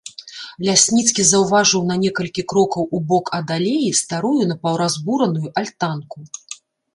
Лясніцкі заўважыў на некалькі крокаў у бок ад алеі старую напаўразбураную альтанку.